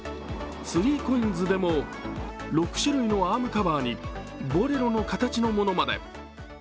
３ＣＯＩＮＳでも６種類のアームカバーにボレロの形のものまで。